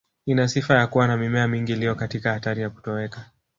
Ina sifa ya kuwa na mimea mingi iliyo katika hatari ya kutoweka